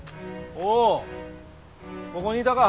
おうここにいたか。